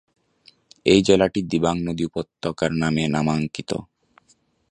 এই জেলাটি দিবাং নদী উপত্যকার নামে নামাঙ্কিত।